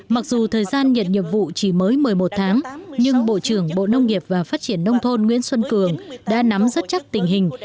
mặc dù thời gian nhận nhiệm vụ chỉ mới một mươi một tháng nhưng bộ trưởng bộ nông nghiệp và phát triển nông thôn nguyễn xuân cường đã nắm rất chắc tình hình